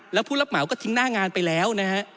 แล้วผู้รับเหมาก็ทิ้งหน้างานไปแล้วนะฮะ